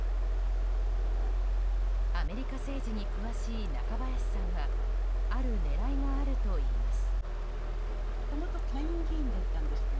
アメリカ政治に詳しい中林さんはある狙いがあるといいます。